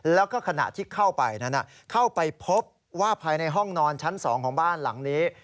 แล้วก็ขณะที่เข้าไปนั้นเข้าไปพบว่าภายในห้องนอนชั้น๒ของบ้านหลังนี้